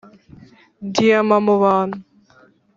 diyama mu bantu